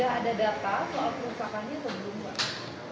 jadi sudah ada data soal perusakannya atau belum